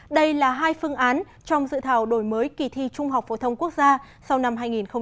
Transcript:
đây là hai phương án trong dự thảo đổi mới kỳ thi trung học phổ thông quốc gia sau năm hai nghìn hai mươi